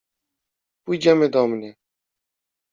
— Pójdziemy do mnie.